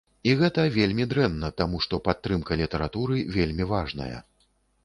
І гэта вельмі дрэнна, таму што падтрымка літаратуры вельмі важная.